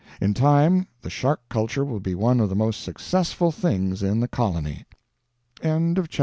In time the shark culture will be one of the most successful things in the colony. CHAPTER XIV.